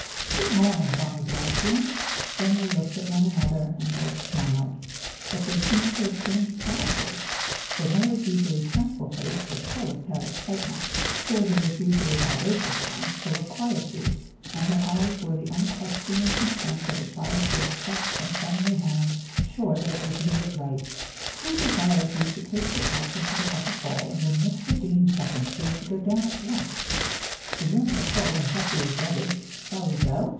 "Good morning, bonny bridegroom." Then they looked at one another, and both smiled. But they seemed to have changed characters, for Moor's usually tranquil face was full of pale excitement; Sylvia's usually vivacious one, full of quietude, and her eyes wore the unquestioning content of a child who accepts some friendly hand, sure that it will lead it right. "Prue desires me to take you out into the upper hall, and when Mr. Deane beckons, we are to go down at once. The rooms are full, and Jessie is ready. Shall we go?"